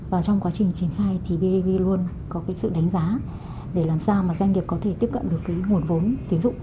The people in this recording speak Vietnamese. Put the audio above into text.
và trong quá trình chiến phai thì bav luôn có sự đánh giá để làm sao doanh nghiệp có thể tiếp cận được nguồn vụ tín dụng